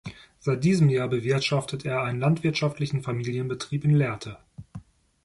Seit diesem Jahr bewirtschaftet er einen landwirtschaftlichen Familienbetrieb in Lehrte.